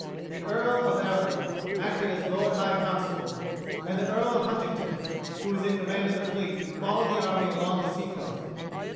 The Earl of Arundel acted as Lord High Constable, and the Earl of Huntingdon, who was in command of the fleet, followed the army along the sea coast.